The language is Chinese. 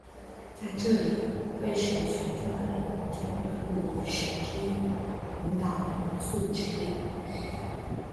在这里，被神选中的人将被授予「神之眼」，引导元素之力。